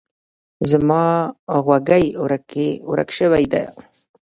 زما غوږۍ ورک شوی ده.